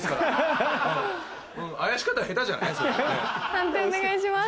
判定お願いします。